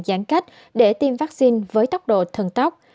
giãn cách để tiêm vaccine với tốc độ thần tốc